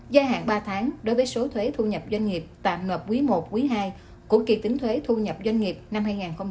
gia hạn ba tháng đối với số thuế thu nhập doanh nghiệp tạm nợp quý i quý ii của kỳ tính thuế thu nhập doanh nghiệp năm hai nghìn hai mươi